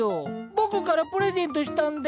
僕からプレゼントしたんだよ。